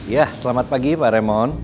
ya selamat pagi pak remon